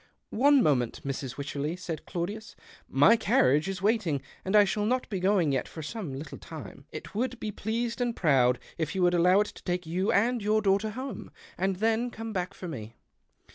" One moment, Mrs. Wycherley," said Claudius. ''My carriage is waiting, and I shall not be going yet for some little time. It would be pleased and proud if you would allow it to take you and your daughter home, and then come ])ack for me."